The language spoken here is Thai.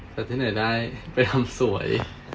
แต่ที่เหนื่อยได้ไปทำสวย